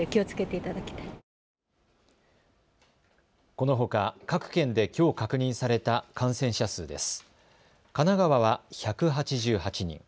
このほか各県できょう確認された感染者数です。